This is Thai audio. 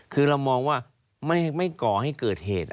คือเรามองว่าไม่ก่อให้เกิดเหตุ